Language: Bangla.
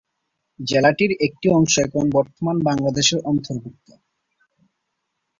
জেলাটির একটি অংশ এখন বর্তমান বাংলাদেশের অন্তর্ভুক্ত।